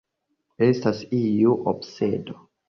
Estas iu obsedo.